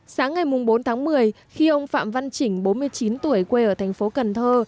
sáng ngày bốn tháng một mươi khi ông phạm văn chỉnh bốn mươi chín tuổi quê ở thành phố cần thơ